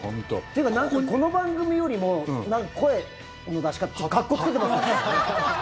というかなんか、この番組よりも声の出し方かっこつけてますよね。